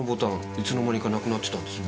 いつの間にかなくなってたんですよ。